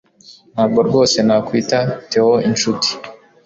Ntabwo rwose nakwita Theo inshuti